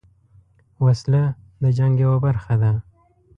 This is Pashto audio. وسله د جنګ یوه برخه ده